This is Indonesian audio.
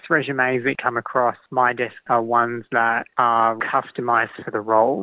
resume yang terbaik yang saya lihat adalah resume yang dikustomisasi untuk peran